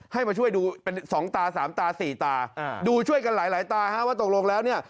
ให้มาช่วยดูเป็น๒ตา๓ตา๔ตาดูช่วยกันหลายตาว่าตกลงแล้วเนี่ย